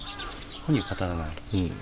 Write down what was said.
本人語らない？